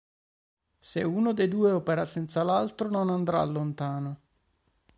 Se uno dei due opera senza l'altro, non andrà lontano.